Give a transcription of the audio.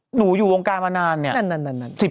อยู่วงการมานานเนี่ย